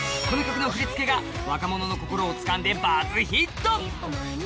コミカルな振り付けが若者の心をつかんでバズヒット。